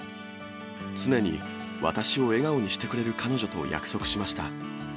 常に私を笑顔にしてくれる彼女と約束しました。